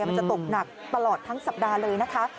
มันจะตกหนักตลอดทั้งสัปดาห์เลยนะคะ